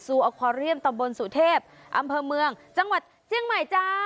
ออคอเรียมตำบลสุเทพอำเภอเมืองจังหวัดเจียงใหม่จ้า